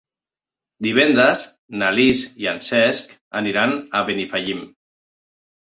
Divendres na Lis i en Cesc aniran a Benifallim.